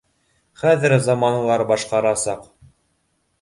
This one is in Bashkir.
Хәҙер заманалар башҡасараҡ